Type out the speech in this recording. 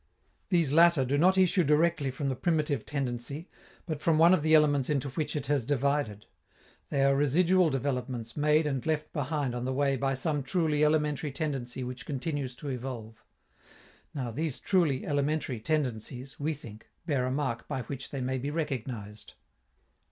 These latter do not issue directly from the primitive tendency, but from one of the elements into which it has divided; they are residual developments made and left behind on the way by some truly elementary tendency which continues to evolve. Now, these truly elementary tendencies, we think, bear a mark by which they may be recognized.